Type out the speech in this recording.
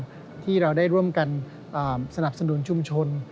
ที่เราได้ร่วมกันสนับสนุนชุมชน